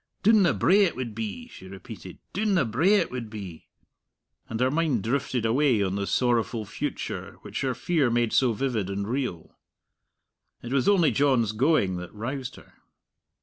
Doon the brae it would be," she repeated, "doon the brae it would be" and her mind drifted away on the sorrowful future which her fear made so vivid and real. It was only John's going that roused her.